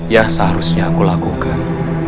yang seharusnya aku lakukan